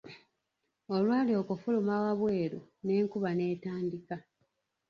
Olwali okufuluma wabweru, n'enkuba n'etandika.